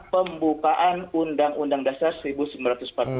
pembukaan undang undang dasar seribu sembilan ratus empat puluh lima